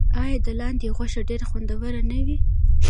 آیا د لاندي غوښه ډیره خوندوره نه وي؟